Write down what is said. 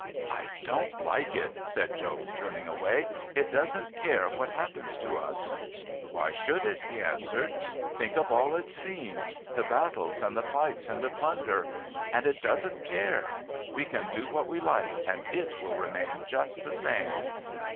"I don't like it," said Joan, turning away. "It doesn't care what happens to us." "Why should it?" he answered. "Think of all it's seen the battles and the fights and the plunder and it doesn't care! We can do what we like and it will remain just the same."